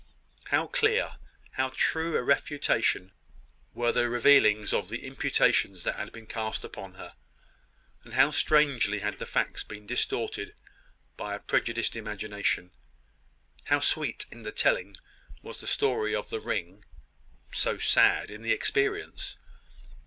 How clear, how true a refutation were these revealings of the imputations that had been cast upon her! and how strangely had the facts been distorted by a prejudiced imagination! How sweet in the telling was the story of the ring, so sad in the experience!